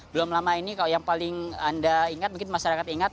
belum lama ini kalau yang paling anda ingat mungkin masyarakat ingat